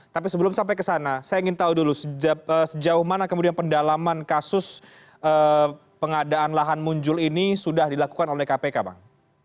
tapi sebelum sampai ke sana saya ingin tahu dulu sejauh mana kemudian pendalaman kasus pengadaan lahan muncul ini sudah dilakukan oleh kpk bang